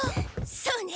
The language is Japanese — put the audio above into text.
そうね。